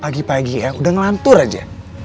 pagi pagi ya udah ngelantur aja